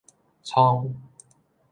蒼